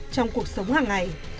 trong cuộc sống hàng ngày